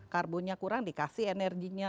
karbonya kurang dikasih energinya